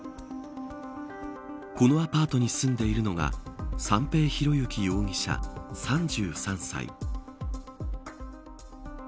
このアパートに住んでいるのが三瓶博幸容疑者、３３歳。